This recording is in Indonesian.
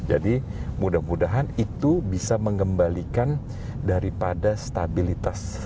jadi mudah mudahan itu bisa mengembalikan daripada stabilitas